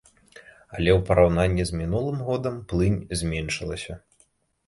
Але ў параўнанні з мінулым годам плынь зменшылася.